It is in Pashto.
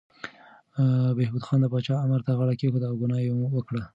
بهبود خان د پاچا امر ته غاړه کېښوده او ګناه یې وکړه.